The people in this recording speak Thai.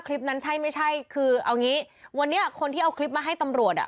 คลิปนั้นใช่ไม่ใช่คือเอางี้วันนี้คนที่เอาคลิปมาให้ตำรวจอ่ะ